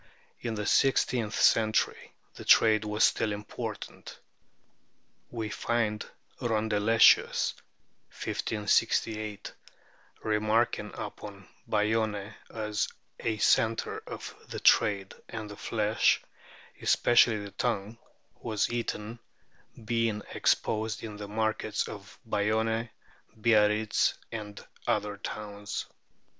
In the six teenth century the trade was still important. We find Rondeletius (1568) remarking upon Bayonne as a centre of the trade, and the flesh, especially the tongue, was eaten, being exposed in the markets of Bayonne, Biarritz, and other towns.